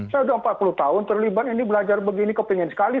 saya sudah empat puluh tahun terlibat ini belajar begini kepengen sekali